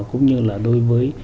cũng như là đối với